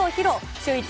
シューイチ